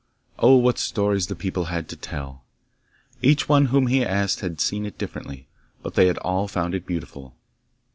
Oh! what stories the people had to tell! Each one whom he asked had seen it differently, but they had all found it beautiful.